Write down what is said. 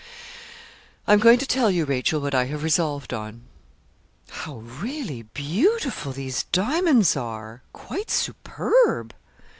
I am going to tell you, Rachel, what I have resolved on.' 'How really beautiful these diamonds are! quite superb.'